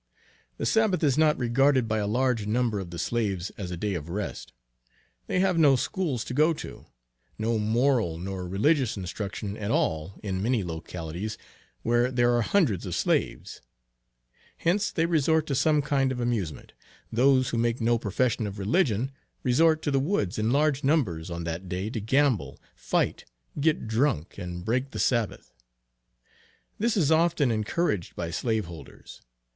The Sabbath is not regarded by a large number of the slaves as a day of rest. They have no schools to go to; no moral nor religious instruction at all in many localities where there are hundreds of slaves. Hence they resort to some kind of amusement. Those who make no profession of religion, resort to the woods in large numbers on that day to gamble, fight, get drunk, and break the Sabbath. This is often encouraged by slaveholders.